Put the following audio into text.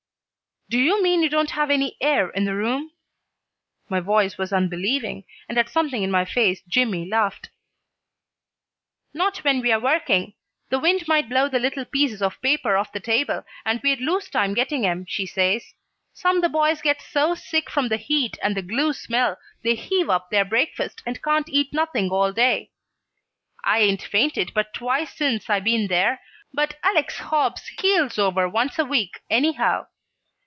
"Do you mean you don't have any air in the room?" My voice was unbelieving, and at something in my face Jimmy laughed. "Not when we're working. The wind might blow the little pieces of paper off the table and we'd lose time getting 'em, she says. Some the boys get so sick from the heat and the glue smell they heave up their breakfast and can't eat nothing all day. I 'ain't fainted but twice since I been there, but Alex Hobbs keels over once a week, anyhow.